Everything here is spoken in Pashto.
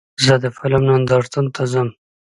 زه د فلم نندارتون ته ځم.